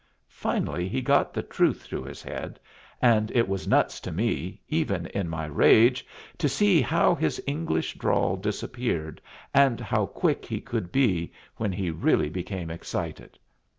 Finally he got the truth through his head, and it was nuts to me, even in my rage, to see how his English drawl disappeared, and how quick he could be when he really became excited.